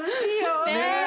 ねえ。